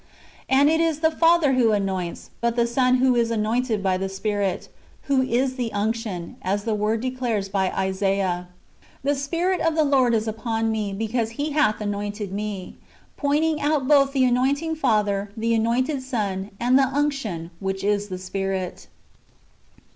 And it is the Father who anoints, but the Son who is anointed by the Spirit, who is the unction, as the Word declares by Isaiah, ^' The Spirit of the Lord is upon me, because He hath anointed me,"^ — pointing out both the anointing Father, the anointed Son, and the unction, which is the Spirit.